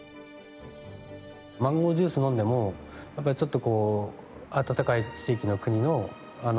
マンゴージュース飲んでもやっぱりちょっとこう「暖かい地域の国のあのワインに似てるな」とか。